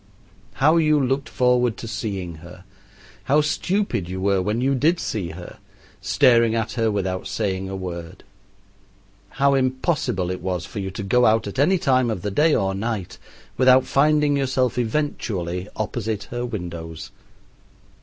How you looked forward to seeing her, how stupid you were when you did see her, staring at her without saying a word! How impossible it was for you to go out at any time of the day or night without finding yourself eventually opposite her windows!